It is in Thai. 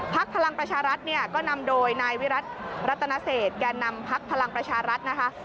พักพลังประชารัฐก็นำโดยนายวิรัตนาเศษแก่นำพักพลังประชารัฐนะคะ